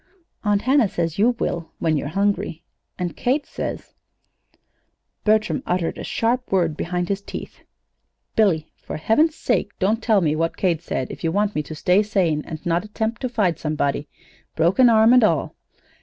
"Aunt Hannah says you will when you're hungry. And Kate said " Bertram uttered a sharp word behind his teeth. "Billy, for heaven's sake don't tell me what Kate said, if you want me to stay sane, and not attempt to fight somebody broken arm, and all.